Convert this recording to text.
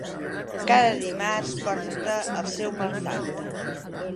Cada dimarts porta el seu mal fat.